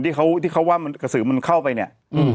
ที่เขาว่ากระสือเข้าไปเนี่ย